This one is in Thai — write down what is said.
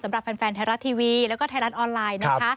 สำหรับแฟนไทยรัฐทีวีแล้วก็ไทยรัฐออนไลน์นะคะ